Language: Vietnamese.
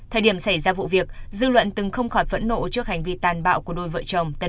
thời điểm xảy ra vụ việc dư luận từng không khỏi phẫn nộ trước hành vi tàn bạo của đôi vợ chồng